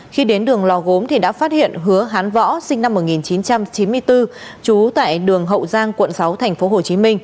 khi đến đường lò gốm thì đã phát hiện hứa hán võ sinh năm một nghìn chín trăm chín mươi bốn trú tại đường hậu giang quận sáu tp hcm